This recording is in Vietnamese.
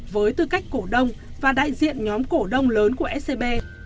với tư cách cổ đông và đại diện nhóm cổ đông lớn của scb